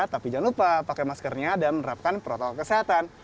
tapi jangan lupa pakai maskernya dan menerapkan protokol kesehatan